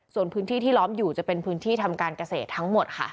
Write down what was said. ส่วนพื้นที่ที่ล้อมอยู่จะเป็นพื้นที่ทำการเกษตรทั้งหมดค่ะ